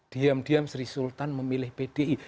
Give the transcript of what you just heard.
diam diam sri sultan memilih pdi